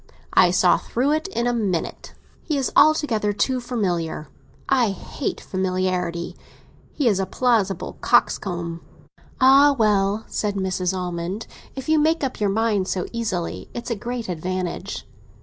I saw through it in a minute. He is altogether too familiar—I hate familiarity. He is a plausible coxcomb." "Ah, well," said Mrs. Almond; "if you make up your mind so easily, it's a great advantage."